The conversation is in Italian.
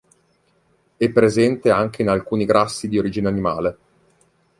È presente anche in alcuni grassi di origine animale.